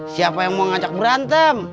siapa yang mau ngajak berantem